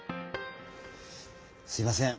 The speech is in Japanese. すいません。